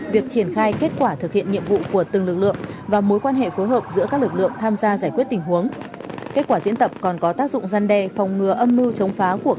việc triển khai kết quả thực hiện nhiệm vụ của từng lực lượng và mối quan hệ phối hợp giữa các lực lượng tham gia giải quyết tình huống